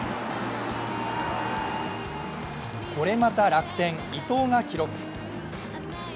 これまた楽天・伊藤が記録。